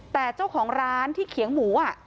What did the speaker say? แต่เจ้าของร้านที่เขียงหมู